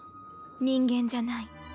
人間じゃない。